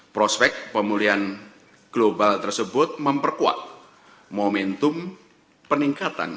prospek pemulihan global tersebut memperkuat momentum peningkatan